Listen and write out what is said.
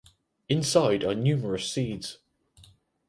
Inside are numerous seeds.